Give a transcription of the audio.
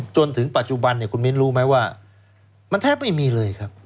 จนถึงปัจจุบันเนี่ยคุณมิ้นรู้ไหมว่ามันแทบไม่มีเลยครับ